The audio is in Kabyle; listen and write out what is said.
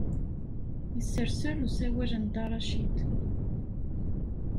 Yesserser usawal n Dda Racid.